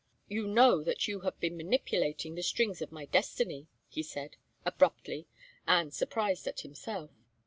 "You know that you have been manipulating the strings of my destiny!" he said, abruptly, and surprised at himself.